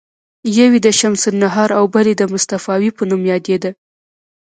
یوه یې د شمس النهار او بله یې د مصطفاوي په نامه یادیده.